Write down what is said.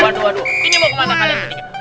waduh ini mau kemana kalian